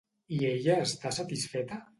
I ella està satisfeta?